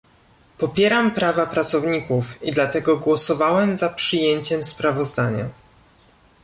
Popieram prawa pracowników i dlatego głosowałem za przyjęciem sprawozdania